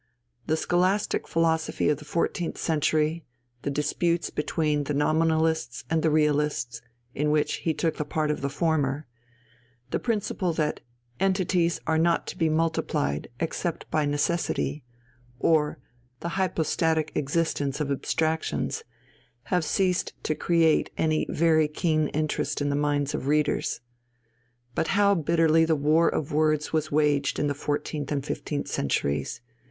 The scholastic philosophy of the fourteenth century, the disputes between the Nominalists and the Realists, in which he took the part of the former, the principle that "entities are not to be multiplied except by necessity," or the "hypostatic existence of abstractions," have ceased to create any very keen interest in the minds of readers. But how bitterly the war of words was waged in the fourteenth and fifteenth centuries!